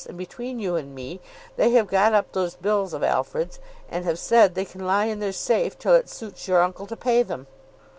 And between you and me they have got up those bills of Alfred's, and have said they can lie in their safe till it suits your uncle to pay them."